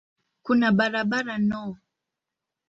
Kuna barabara no.